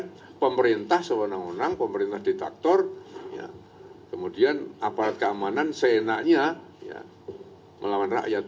saya akan akan pemerintah sewenang wenang pemerintah detektor kemudian aparat keamanan seenaknya melawan rakyat